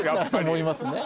思いますね。